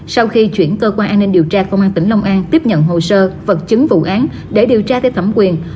sau khi chuyển cơ quan an ninh điều tra công an tỉnh long an tiếp nhận hồ sơ vật chứng vụ án để điều tra theo thẩm quyền